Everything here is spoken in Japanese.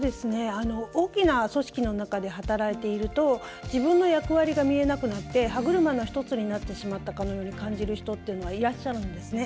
大きな組織の中で働いていると自分の役割が見えなくなって歯車の一つになってしまったかのように感じる人っていうのはいらっしゃるんですね。